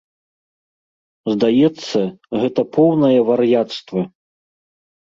Здаецца, гэта поўнае вар'яцтва.